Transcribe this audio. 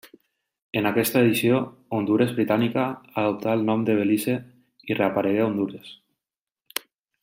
En aquesta edició Hondures Britànica adoptà el nom de Belize i reaparegué Hondures.